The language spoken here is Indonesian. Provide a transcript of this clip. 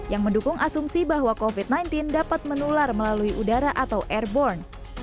yang mendukung asumsi bahwa covid sembilan belas dapat menular melalui udara atau airborne